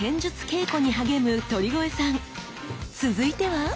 続いては。